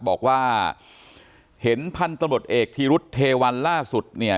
บอกว่าเห็นพันธุ์ตำรวจเอกธีรุษเทวันล่าสุดเนี่ย